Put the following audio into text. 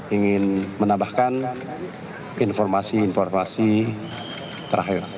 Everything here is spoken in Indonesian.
ingin menambahkan informasi informasi terakhir